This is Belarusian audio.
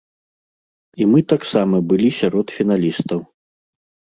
І мы таксама былі сярод фіналістаў.